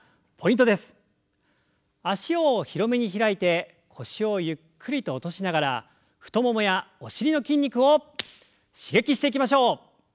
脚を広めに開いて腰をゆっくりと落としながら太ももやお尻の筋肉を刺激していきましょう。